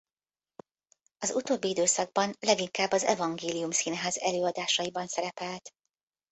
Az utóbbi időszakban leginkább az Evangélium Színház előadásaiban szerepelt.